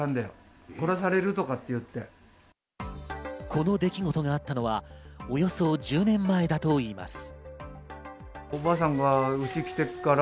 この出来事があったのは、およそ１０年前だといいます。